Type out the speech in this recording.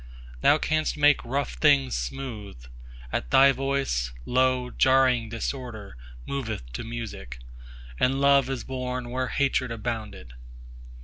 15Thou canst make rough things smooth; at Thy Voice, lo, jarring disorderMoveth to music, and Love is born where hatred abounded.